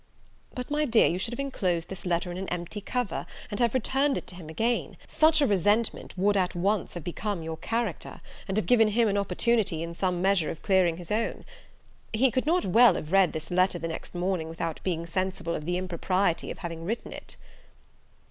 But, my dear, you should have inclosed this letter in an empty cover, and have returned it to him again: such a resentment would at once have become your character, and have given him an opportunity, in some measure, of clearing his own. He could not well have read this letter the next morning without being sensible of the impropriety of having written it."